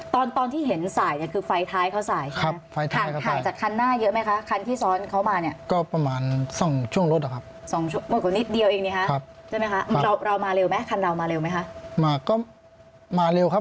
ตอนที่เห็นสายคือไฟท้ายเขาสายใช่ไหมครับ